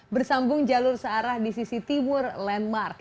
bersambung jalur searah di sisi timur landmark